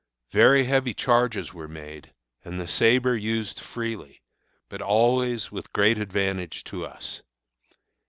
Very heavy charges were made, and the sabre used freely, but always with great advantage to us.